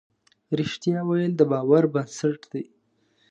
رښتیا ویل د باور بنسټ دی.